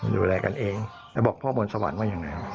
ดูแลกันเองแล้วบอกพ่อบนสวรรค์ว่ายังไง